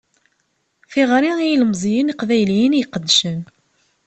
Tiɣri i yilmeẓyen iqbayliyen i iqeddcen.